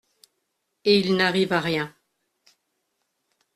Et il n'arrive à rien.